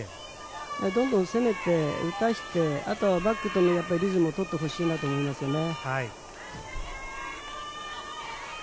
どんどん攻めて打たせてあとはバッターとのリズムをとってほしいと思いますね。